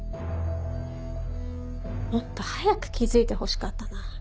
もっと早く気付いてほしかったな。